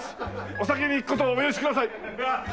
お先に行く事をお許しください。